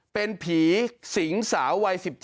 เป็นผีสิงสาววัย๑๗